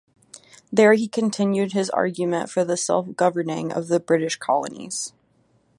There he continued his argument for the self-governing of the British colonies.